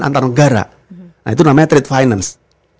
antara negara nah itu namanya trade finance